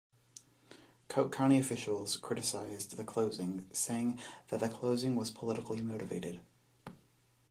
Coke County officials criticized the closing, saying that the closing was politically motivated.